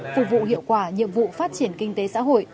phục vụ hiệu quả nhiệm vụ phát triển kinh tế xã hội